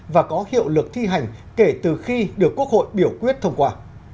và có hiệu lực thi hành kể từ khi được quốc hội biểu quyết thông qua